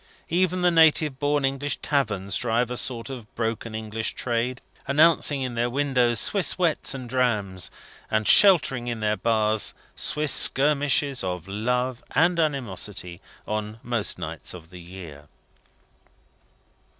Even the native born English taverns drive a sort of broken English trade; announcing in their windows Swiss whets and drams, and sheltering in their bars Swiss skirmishes of love and animosity on most nights in the year.